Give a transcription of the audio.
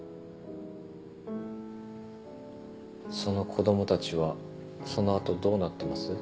その子供たちはその後どうなってます？